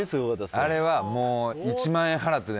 あれはもう１万円払ってでも見たい。